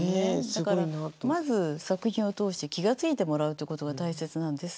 だからまず作品を通して気が付いてもらうということが大切なんです。